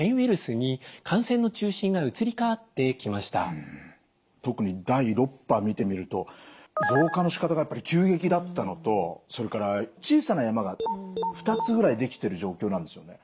国内では特に第６波見てみると増加のしかたがやっぱり急激だったのとそれから小さな山が２つぐらいできてる状況なんですよね。